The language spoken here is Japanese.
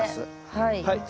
はい。